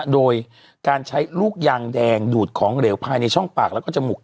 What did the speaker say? โดยการใช้ลูกยางแดงดูดของเหลวภายในช่องปากแล้วก็จมูก